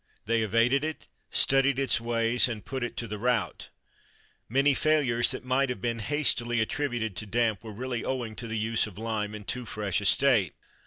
They evaded it, studied its ways, and put it to the rout. "Many failures that might have been hastily attributed to damp were really owing to the use of lime in too fresh a state.